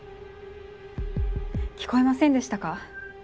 聞こえませんでしたか？